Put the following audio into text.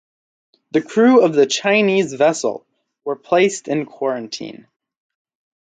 The crew of the Chinese vessel were placed in quarantine.